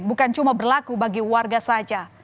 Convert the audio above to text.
bukan cuma berlaku bagi warga saja